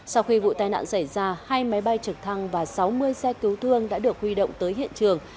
sau khi vụ tai nạn xảy ra hai máy bay trực thăng và sáu mươi xe cứu thương đã được huy động tới hiện trường